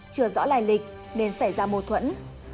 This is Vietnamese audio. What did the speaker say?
chưa rõ lại lịch nên xảy ra mâu thuẫn